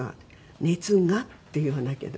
「“熱んが”って言わなきゃダメ」。